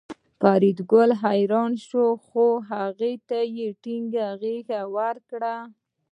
فریدګل حیران شو خو هغه ته یې ټینګه غېږه ورکړه